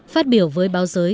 phát biểu với báo giới